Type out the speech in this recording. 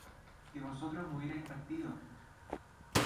que vosotros hubierais partido